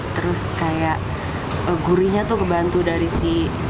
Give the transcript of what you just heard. terus kayak gurinya tuh kebantu dari si